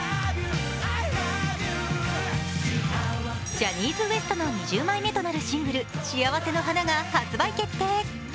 ジャニーズＷＥＳＴの２０枚目となるシングル「しあわせの花」が発売決定。